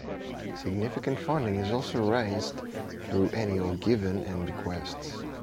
Significant funding is also raised through annual giving and bequests.